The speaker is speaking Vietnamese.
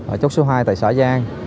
ở chốc số hai tại xã giang